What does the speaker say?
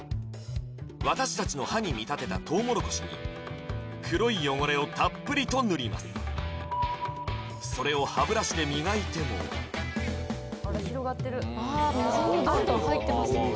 私たちの歯に見立てたトウモロコシに黒い汚れをたっぷりと塗りますそれを歯ブラシで磨いても広がってる溝にどんどん入ってますね